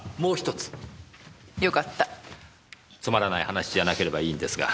つまらない話じゃなければいいんですが。